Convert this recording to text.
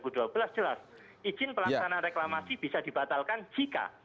jelas izin pelaksanaan reklamasi bisa dibatalkan jika